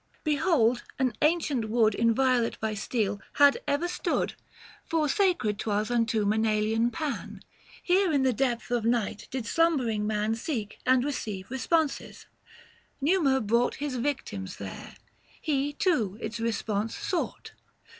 Behold an ancient wood Inviolate by steel had ever stood, 745 For sacred 'twas unto Maenalian Pan. Here in the depth of night did slumbering man Seek, and receive responses : Numa brought His victims there ; he, too, its response sought.